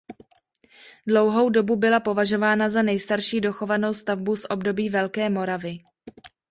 Dlouho dobu byla považována za nejstarší dochovanou stavbu z období Velké Moravy.